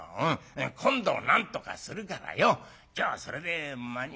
今度なんとかするからよ今日はそれで間に合わせねえな」。